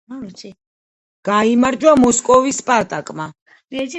გაიმარჯვა მოსკოვის „სპარტაკმა“.